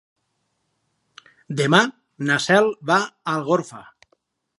Demà na Cel va a Algorfa.